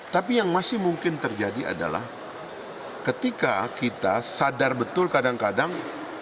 tapi yang masih mungkin terjadi adalah ketika kita sadar betul kadang kadang